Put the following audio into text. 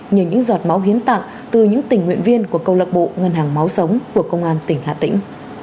như những giọt máu hiến tặng từ những tình nguyện viên của câu lạc bộ ngân hàng máu sống của công an tỉnh hà tĩnh